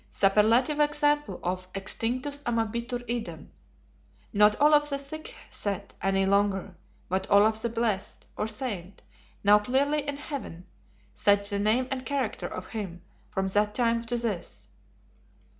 Superlative example of Extinctus amabitur idem. Not "Olaf the Thick set" any longer, but "Olaf the Blessed" or Saint, now clearly in Heaven; such the name and character of him from that time to this.